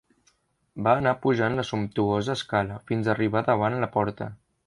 Va anar pujant la sumptuosa escala, fins arribar davant la porta.